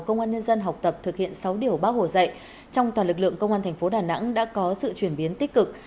công an nhân dân học tập thực hiện sáu điều bác hồ dạy trong toàn lực lượng công an thành phố đà nẵng đã có sự chuyển biến tích cực